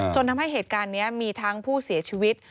จนทำให้เหตุการณ์นี้มีทั้งผู้เสียชีวิต